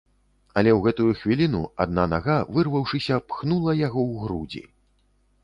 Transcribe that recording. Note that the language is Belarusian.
Але ў гэтую хвіліну адна нага, вырваўшыся, пхнула яго ў грудзі.